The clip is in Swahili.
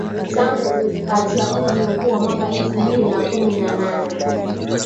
tangu uachaguzi mkuu wa mwaka elfu mbili na kumi na nane